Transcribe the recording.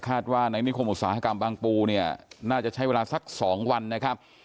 ว่าในนิคมอุตสาหกรรมบางปูเนี่ยน่าจะใช้เวลาสัก๒วันนะครับ